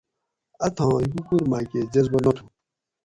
اتھاں ہکوکور میکہ جذبہ ناتھو